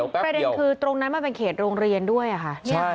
ประเด็นคือตรงนั้นมันเป็นเขตโรงเรียนด้วยค่ะ